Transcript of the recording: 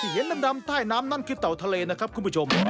เห็นดำใต้น้ำนั่นคือเต่าทะเลนะครับคุณผู้ชม